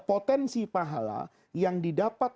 potensi pahala yang didapat